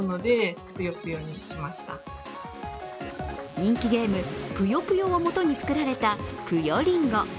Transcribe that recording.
人気ゲーム、ぷよぷよをもとに作られた、ぷよりんご。